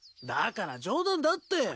だから冗談だって。